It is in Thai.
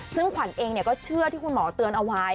ซึ่งขวัญเองก็เชื่อที่คุณหมอเตือนเอาไว้